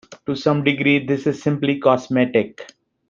To some degree this is simply cosmetic.